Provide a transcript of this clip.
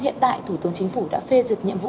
hiện tại thủ tướng chính phủ đã phê duyệt nhiệm vụ